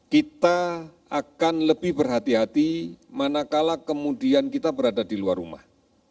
kita akan lebih berhati hati manakala kemudian kita berada di luar rumah